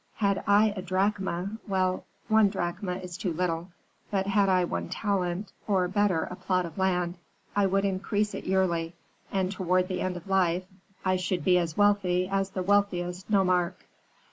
Had I a drachma, well, one drachma is too little, but had I one talent, or, better, a plot of land, I would increase it yearly, and toward the end of life I should be as wealthy as the wealthiest nomarch.